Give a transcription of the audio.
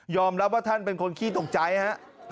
รับว่าท่านเป็นคนขี้ตกใจฮะ